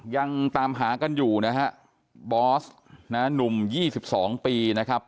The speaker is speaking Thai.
ยังตามหากันอยู่นะฮะบอสนะหนุ่ม๒๒ปีนะครับ